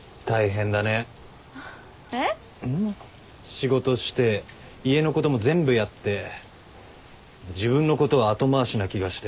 仕事して家のことも全部やって自分のことは後回しな気がして。